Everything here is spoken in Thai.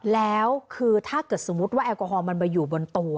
แล้วคือถ้าเกิดสมมุติว่าแอลกอฮอลมันมาอยู่บนตัว